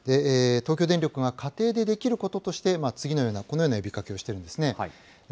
東京電力が家庭でできることとして、次のような、このような呼びかけをしているんですね。